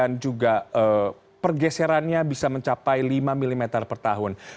juga pergeserannya bisa mencapai lima mm per tahun